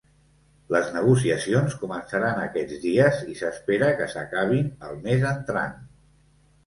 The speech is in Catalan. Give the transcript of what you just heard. Les negociacions començaran aquests dies i s’espera que s’acabin el mes entrant.